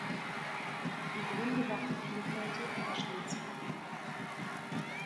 Die Gründe waren vielfältig und stets vorhanden.